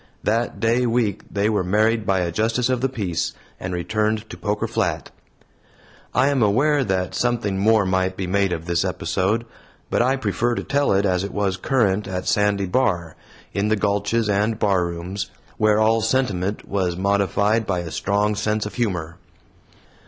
That day week they were married by a justice of the peace, and returned to Poker Flat. I am aware that something more might be made of this episode, but I prefer to tell it as it was current at Sandy Bar in the gulches and barrooms where all sentiment was modified by a strong sense of humor.